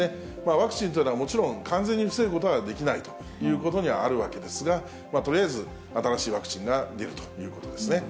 ワクチンというのは、もちろん、完全に防ぐことはできないということにはあるわけですが、とりあえず新しいワクチンが出るということですね。